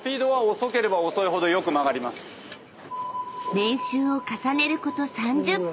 ［練習を重ねること３０分］